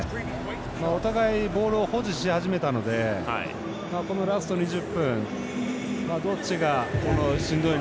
お互いボールを保持し始めたのでラスト２０分どっちがしんどい